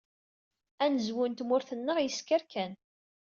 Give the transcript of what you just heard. Anezwu n tmurt-nneɣ yesker kan.